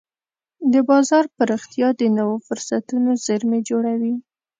د بازار پراختیا د نوو فرصتونو زېرمې جوړوي.